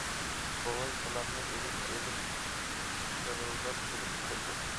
بوۋاي سالامنى ئىلىپ ئېلىپ، خىرىلداپ كۈلۈپ قويدى.